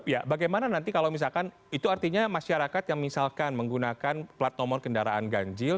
ya bagaimana nanti kalau misalkan itu artinya masyarakat yang misalkan menggunakan plat nomor kendaraan ganjil